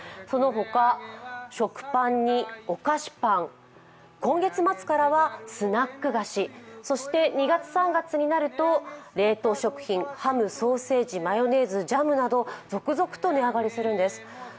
そのほか、食パンにお菓子パン、今月末からはスナック菓子、２月３月になると冷凍食品、ハム、ソーセージ、マヨネーズ、ジャムなど続々と値上げするんです。